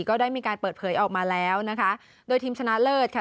ก็ได้มีการเปิดเผยออกมาแล้วนะคะโดยทีมชนะเลิศค่ะ